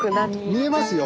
見えますよ